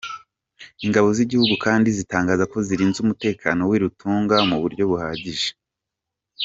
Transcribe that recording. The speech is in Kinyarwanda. Ingabo z’igihugu kandi zitangaza ko zirinze umutekano w’i Rutunga mu buryo buhagije.